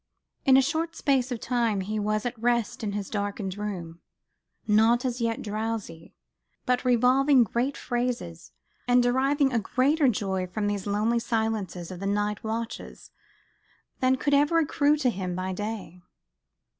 In a short space of time he was at rest in his darkened room; not as yet drowsy, but revolving great phrases, and deriving a greater joy from these lonely silences of the night watches than could ever accrue to him by day.